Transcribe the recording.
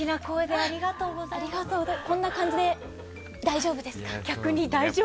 こんな感じで大丈夫ですか？